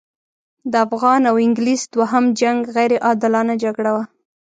د افغان او انګلیس دوهم جنګ غیر عادلانه جګړه وه.